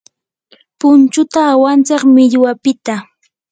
punchuta awantsik millwapiqta.